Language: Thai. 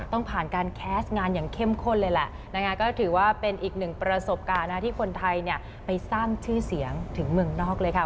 ต้องผ่านการแคสต์งานอย่างเข้มข้นเลยแหละนะคะก็ถือว่าเป็นอีกหนึ่งประสบการณ์ที่คนไทยไปสร้างชื่อเสียงถึงเมืองนอกเลยค่ะ